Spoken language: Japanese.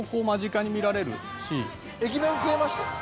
駅弁食えましたよね。